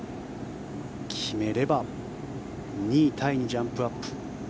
決めれば２位タイにジャンプアップ。